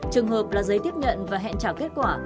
trường hợp là giấy tiếp nhận và hẹn trả kết quả